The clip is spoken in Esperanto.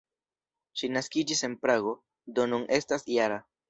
Ŝi naskiĝis en Prago, do nun estas -jara.